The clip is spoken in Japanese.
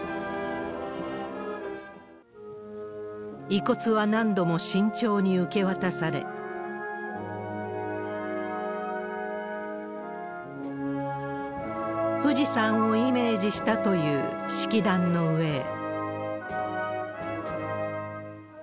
遺骨は何度も慎重に受け渡され、富士山をイメージしたという式壇の上へ。